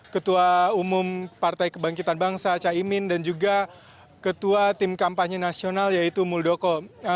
ketua umum partai kebangkitan bangsa caimin dan juga ketua tim kampanye nasional yaitu muldoko